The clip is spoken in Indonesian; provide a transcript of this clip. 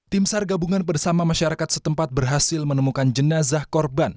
tim sar gabungan bersama masyarakat setempat berhasil menemukan jenazah korban